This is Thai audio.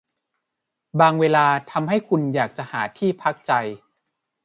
บางเวลาทำให้คุณอยากจะหาที่พักใจ